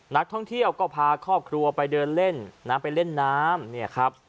นักท่องเที่ยวก็พาครอบครัวไปเดินเล่นนะไปเล่นน้ำเนี่ยครับ